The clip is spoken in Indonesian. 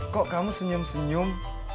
kok kamu senyum senyum